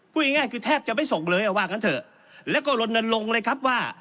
พูดง่ายคือแทบจะไม่ส่งเลยว่างั้นเถอะแล้วก็ลนลงเลยครับว่า